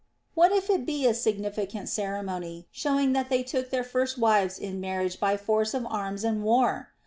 What if it be a significant ceremony, showing that they took their first wives in marriage by force of arms and war